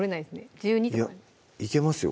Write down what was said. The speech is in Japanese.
１２とかいやいけますよ